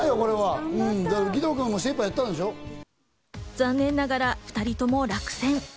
残念ながら２人とも落選。